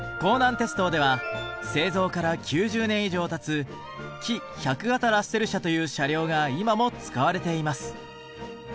鉄道では製造から９０年以上たつ「キ１００形ラッセル車」という車両が今も使われています。